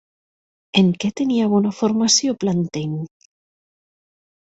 En què tenia bona formació Plantin?